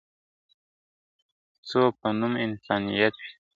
څو په نوم انسانيت وي ..